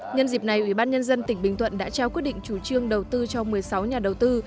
nhân dịp này ủy ban nhân dân tỉnh bình thuận đã trao quyết định chủ trương đầu tư cho một mươi sáu nhà đầu tư